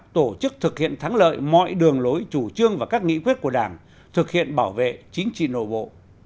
tổ chức thực hiện thắng lợi mọi đường lối chủ trương và các nghị quyết của đảng thực hiện bảo vệ chính trị nội bộ